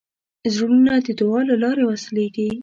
زړونه د دعا له لارې وصلېږي.